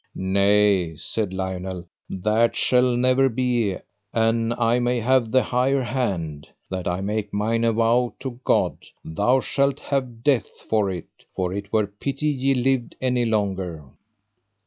Nay, said Lionel, that shall never be an I may have the higher hand, that I make mine avow to God, thou shalt have death for it, for it were pity ye lived any longer.